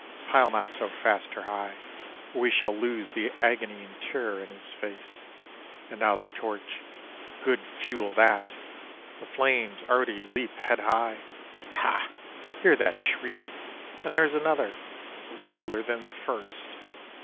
Pile not so fast or high! or we shall lose The agony and terror in his face. And now the torch! Good fuel that! the flames Already leap head high. Ha! hear that shriek! And there's another! wilder than the first.